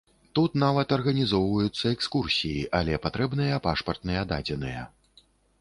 Тут нават арганізоўваюцца экскурсіі, але патрэбныя пашпартныя дадзеныя.